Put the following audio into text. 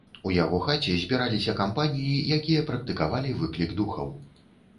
У яго хаце збіраліся кампаніі, якія практыкавалі выклік духаў.